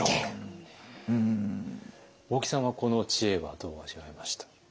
大木さんはこの知恵はどう味わいました？